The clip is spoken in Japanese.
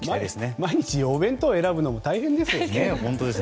毎日、お弁当を選ぶのも大変ですよね。